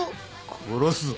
殺すぞ！